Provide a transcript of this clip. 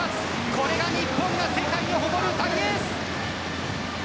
これが日本が世界に誇る大エース！